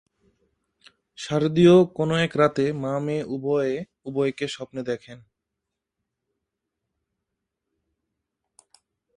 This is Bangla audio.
শারদীয় কোনো এক রাতে মা-মেয়ে উভয়ে উভয়কে স্বপ্নে দেখেন।